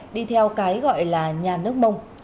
đi theo cái gọi là nhà nước mông